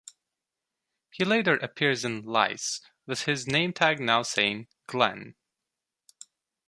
He later appears in "Lice" with his nametag now saying Glenn.